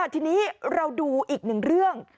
ทีนี้เราดูอีกหนึ่งเรื่อง